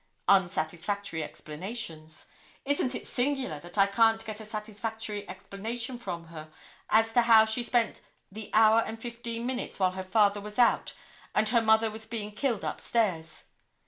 Unsatisfactory explanations. Isn't it singular that I can't get a satisfactory explanation from her as to how she spent the hour and fifteen minutes while her father was out and her mother was being killed upstairs.